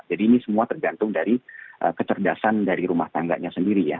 jadi ini semua tergantung dari kecerdasan dari rumah tangganya sendiri ya